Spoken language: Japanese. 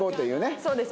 そうです。